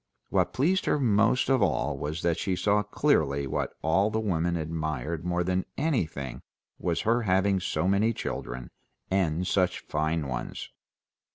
What pleased her most of all was that she saw clearly what all the women admired more than anything was her having so many children, and such fine ones.